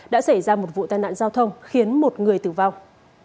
đã xảy ra một vụ tai nạn giao thông khiến một người tử vong